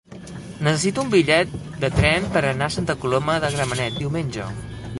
Necessito un bitllet de tren per anar a Santa Coloma de Gramenet diumenge.